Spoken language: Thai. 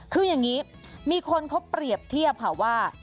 คืออย่างนี้มีคนเขาเปรียบเทียบค่ะว่า